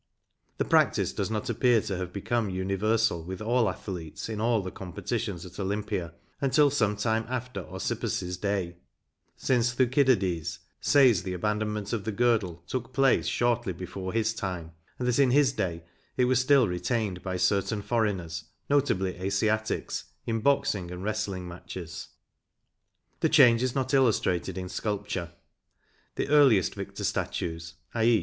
1 The practice does not appear to have become universal with all athletes in all the com petitions at Olympia until some time after Orsippos' day, since Thukydides says the abandonment of the girdle took place shortly before his time and that in his day it was still retained by certain for eigners, notably Asiatics, in boxing and wrestling matches.2 The change is not illustrated in sculpture. The earliest victor statues, i. e.